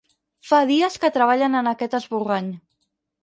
Fa dies que treballen en aquest esborrany.